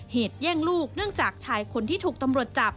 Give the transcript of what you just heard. เหตุแย่งลูกเนื่องจากชายคนที่ถูกตำรวจจับ